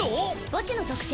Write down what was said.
墓地の属性